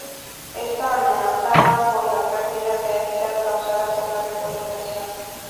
Está amenazada por la perdida de hábitat causada por la deforestación.